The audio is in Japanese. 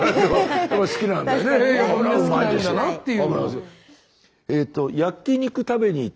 好きなんだなっていう。